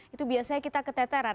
itu biasanya kita keteteran